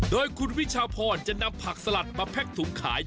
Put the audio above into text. โดยคุณวิชาพรจะนำผักสลัดมาแพ็กถุงขาย